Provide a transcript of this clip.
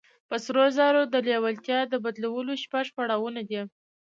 پر سرو زرو د لېوالتیا د بدلولو شپږ پړاوونه دي.